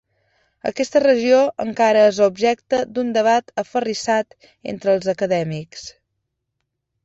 Aquesta regió encara és objecte d'un debat aferrissat entre els acadèmics.